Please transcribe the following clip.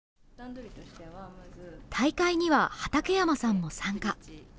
大会には畠山さんも参加。